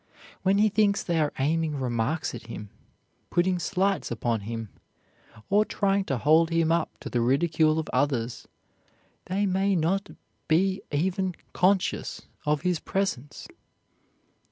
When he thinks they are aiming remarks at him, putting slights upon him, or trying to hold him up to the ridicule of others, they may not be even conscious of his presence.